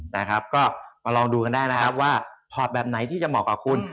นะครับก็มาลองดูกันได้นะครับว่าพอร์ตแบบไหนที่จะเหมาะกับคุณ